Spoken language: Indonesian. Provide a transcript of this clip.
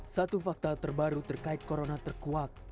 satu fakta terbaru terkait corona terkuak